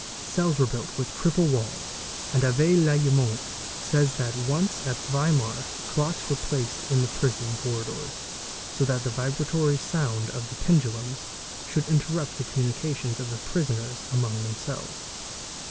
Cells were built with triple walls, and Avé Lallemant says . that once at Weimar clocks were placed in the prison corridors, so that the vibratory sound of the pendulums should interrupt the communica tions of the prisoners among themselves.